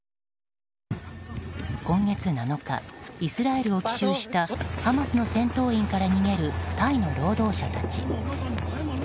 今月７日、イスラエルを奇襲したハマスの戦闘員から逃げるタイの労働者たち。